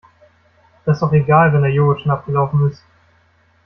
Das ist doch egal, wenn der Joghurt schon abgelaufen ist.